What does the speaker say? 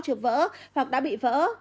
chụp vỡ hoặc đã bị vỡ